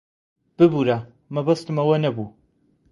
ببوورە، مەبەستم ئەوە نەبوو.